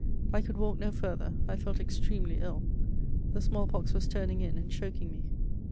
I could walk no farther; I felt extremely ill; the smallpox was turning in and choking me.